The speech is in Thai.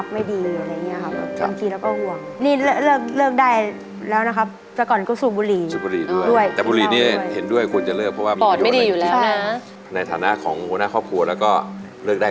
เพราะว่าสุขภาพไม่ดีอะไรอย่างนี้